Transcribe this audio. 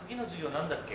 何だっけ？